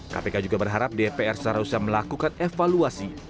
kpk juga berharap dpr secara usaha melakukan evaluasi